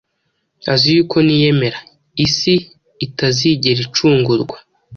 azi yuko niyemera, isi itazigera icungurwa.